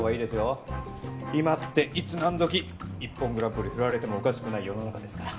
今っていつなんどき『ＩＰＰＯＮグランプリ』振られてもおかしくない世の中ですから。